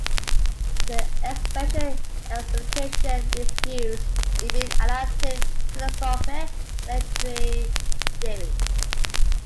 The expression "explication" is used in both analytic philosophy and literary theory.